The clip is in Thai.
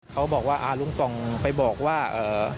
เขาบอกว่าอ่าลุงปองไปบอกว่าเอ่อ